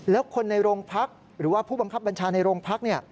แล้วคนในโรงพักหรือว่าผู้บังคับบัญชาในโรงพัก